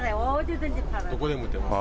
どこでも売ってます。